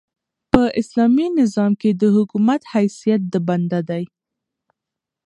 په اسلامي نظام کښي د حکومت حیثیت د بنده دئ.